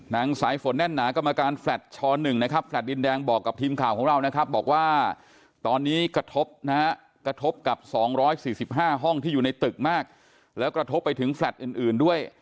สายฝนแน่นหนากรรมการแฟลตช๑นะครับแฟลต์ดินแดงบอกกับทีมข่าวของเรานะครับบอกว่าตอนนี้กระทบนะฮะกระทบกับ๒๔๕ห้องที่อยู่ในตึกมากแล้วกระทบไปถึงแฟลต์อื่นด้วย